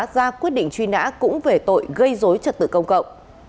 ra quyết định truy nã cũng về tội gây dối trật tự công cộng